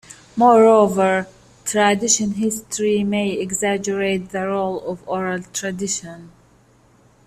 Moreover, tradition history may exaggerate the role of oral tradition.